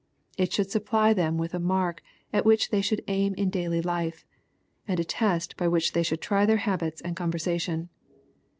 It should supply them with a mark at which they should aim in daily life, and a test by which they should try their habits and conversation.